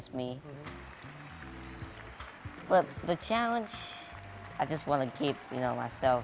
saya menjadi komersial